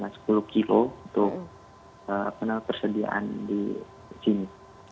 sekitar sepuluh kilo untuk penuh persediaan di sini